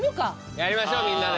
やりましょうみんなで。